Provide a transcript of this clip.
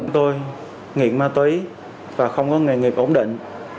tôi nghiện ma túy và không có nghề nghiệp ổn định